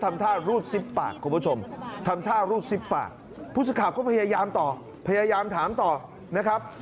ทำท่ารูดซิบปากคุณผู้ชมทำท่ารูดซิบปากผู้สื่อข่าวก็พยายามต่อพยายามถามต่อนะครับ